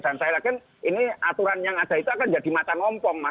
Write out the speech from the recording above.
dan saya yakin ini aturan yang ada itu akan jadi mata ngompong mas